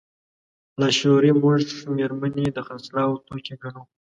لاشعوري موږ مېرمنې د خرڅلاو توکي ګڼو.